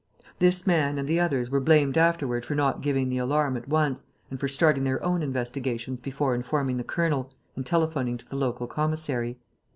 This man and the others were blamed afterward for not giving the alarm at once and for starting their own investigations before informing the colonel and telephoning to the local commissary.